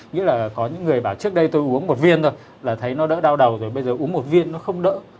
nghĩ là có những người bảo trước đây tôi uống một viên thôi là thấy nó đỡ đau đầu rồi bây giờ uống một viên nó không đỡ